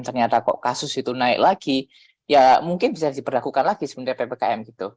ternyata kok kasus itu naik lagi ya mungkin bisa diperlakukan lagi sebenarnya ppkm gitu